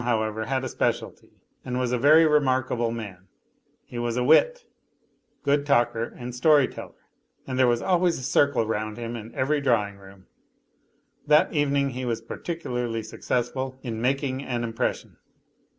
however, had a speciality and was a very remarkabl man ; he was a wit, good talker and story teller, and there wa always a circle round him in every drawing room. That evminj he was particularly successful in making an impression.